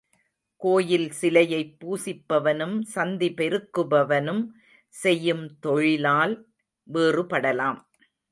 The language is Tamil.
கோயில் சிலையைப் பூசிப்பவனும் சந்தி பெருக்குபவனும் செய்யும் தொழிலால் வேறுபடலாம்.